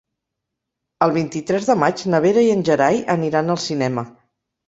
El vint-i-tres de maig na Vera i en Gerai aniran al cinema.